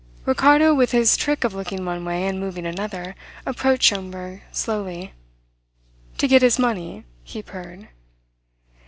Ricardo, with his trick of looking one way and moving another approached Schomberg slowly. "To get his money?" he purred.